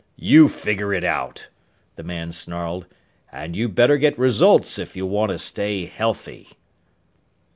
"You figure it out!" the man snarled. "And you'd better get results if you want to stay healthy!"